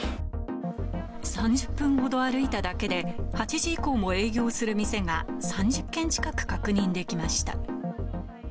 ３０分ほど歩いただけで、８時以降も営業する店が３０軒近く確認できました。